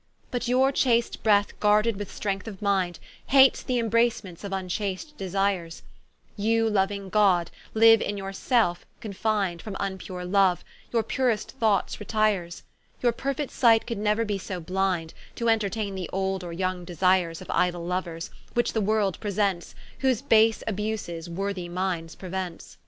But your chaste breast guarded with strength of mind, Hates the imbracements of vnchaste desires; You louing God, liue in your selfe confind From vnpure Loue, your purest thoughts retires, Your perfit sight could neuer be so blind, To entertaine the old or yong desires Of idle louers; which the world presents, Whose base abuses worthy minds preuents.